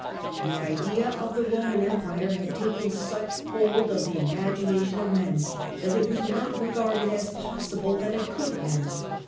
* The idea of the Eoman Empire had taken such hold of the imaginations of men that it was not regarded as possible that it could end.